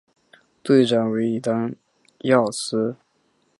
队长为伊丹耀司。